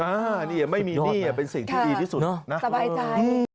อันนี้ไม่มีดีเนี่ยเป็นสิ่งที่ดีที่สุดนะสบายใจ